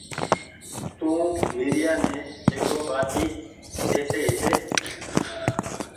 تو ويريآ ني جيڪو ٻآٽي ڏي تي هيتي